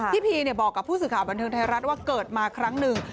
พีบอกกับผู้สื่อข่าวบันเทิงไทยรัฐว่าเกิดมาครั้งหนึ่ง